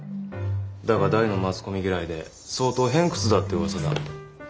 だが大のマスコミ嫌いで相当偏屈だってうわさだ。